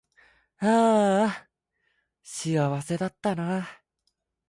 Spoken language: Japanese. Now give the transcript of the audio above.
あーあ幸せだったなー